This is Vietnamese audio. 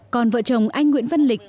còn vợ chồng anh nguyễn văn lịch